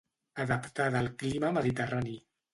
Adaptada al clima mediterrani.